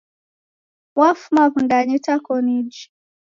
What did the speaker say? Wafuma w'undanyi itakoniji